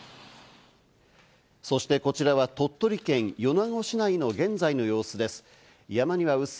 こちらは鳥取県米子市内の現在の様子です。